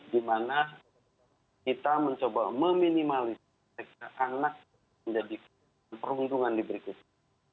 di mana kita mencoba meminimalisasi seksa anak menjadi perundungan di berikutnya